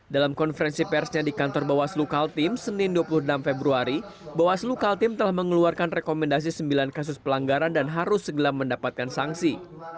dalam konferensi persnya di kantor bawaslu kaltim senin dua puluh enam februari bawaslu kaltim telah mengeluarkan rekomendasi sembilan kasus pelanggaran dan harus segera mendapatkan sanksi